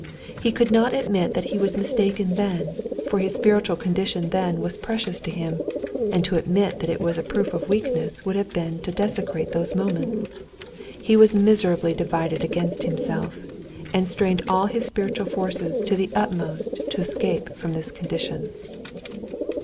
He could not admit that he was mistaken then, for his spiritual condition then was precious to him, and to admit that it was a proof of weakness would have been to desecrate those moments. He was miserably divided against himself, and strained all his spiritual forces to the utmost to escape from this condition.